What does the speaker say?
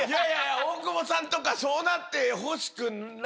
大久保さんとかそうなってほしくない。